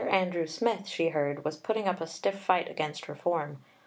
Andrew Smith, she heard, was putting up a stiff fight against reform.